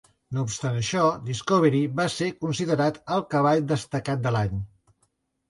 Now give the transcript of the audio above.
No obstant això, Discovery va ser considerat el cavall destacat de l'any.